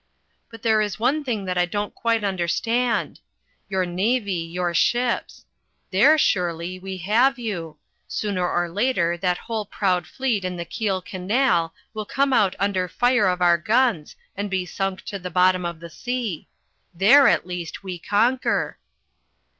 "But there is one thing that I don't quite understand. Your navy, your ships. There, surely, we have you: sooner or later that whole proud fleet in the Kiel Canal will come out under fire of our guns and be sunk to the bottom of the sea. There, at least, we conquer."